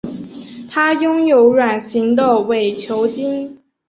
它拥有卵形的伪球茎。